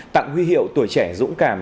tặng huy hiệu tuổi trẻ dũng cảm